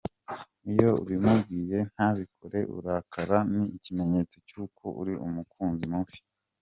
Iyo ubimubwiye ntabikore urakara? Ni ikimenyetso cy’ uko uri umukunzi mubi.